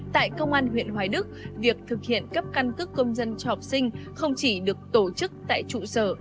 tại công an huyện hoài đức việc thực hiện cấp căn cước công dân cho học sinh không chỉ được tổ chức tại trụ sở